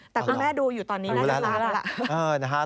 แต่พ่อแม่ดูอยู่ตอนนี้นั่นละ